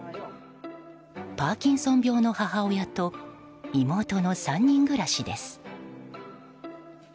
パーキンソン病の母親と妹の３人暮らしです。